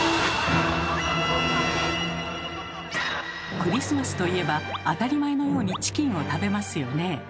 クリスマスといえば当たり前のようにチキンを食べますよね。